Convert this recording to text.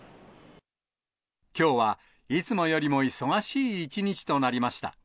きょうは、いつもよりも忙しい一日となりました。